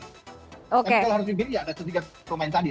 tapi kalau harus dipilih ya ada tiga pemain tadi